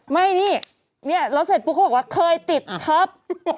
ไม่นี่เนี่ยแล้วเสร็จปุ๊บเขาบอกว่าเคยติดครับ